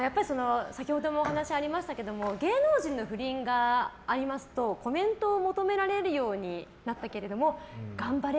先ほどもお話ありましたけど芸能人の不倫がありますとコメントを求められるようになったけれども頑張れ！